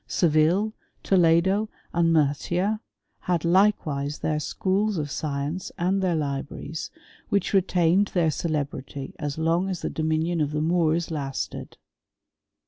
Seville, Toledo, and Murcia; had likewise their schools of science and their libraries, which retained their celebrity as long as the dominion of the Moors lasted.